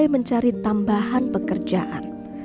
dan mencari tambahan pekerjaan